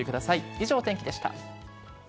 以上、お天気でした。